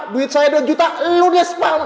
duit saya dua juta lu nyes pak